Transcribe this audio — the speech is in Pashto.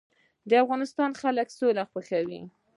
د افغانستان خلک سوله خوښوي